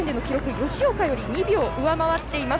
吉岡より２秒上回っています。